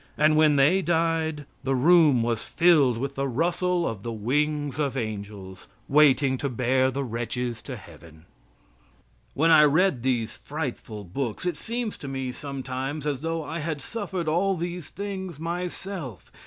And when they died, the room was filled with the rustle of the wings of angels, waiting to bear the wretches to Heaven. When I read these frightful books it seems to me sometimes as though I had suffered all these things myself.